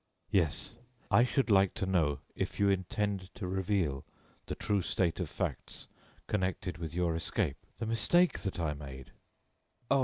"Yes. I should like to know if you intend to reveal the true state of facts connected with your escape. The mistake that I made " "Oh!